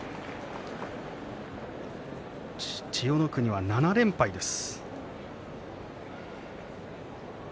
千代の国は７連敗です。